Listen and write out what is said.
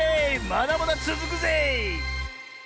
まだまだつづくぜえ！